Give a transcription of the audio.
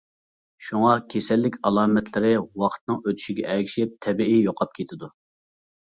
شۇڭا كېسەللىك ئالامەتلىرى ۋاقىتنىڭ ئۆتىشىگە ئەگىشىپ تەبىئىي يوقاپ كېتىدۇ.